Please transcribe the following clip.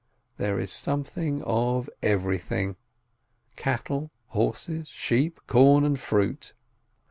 There is something of everything — cattle, horses, sheep, corn, and fruit.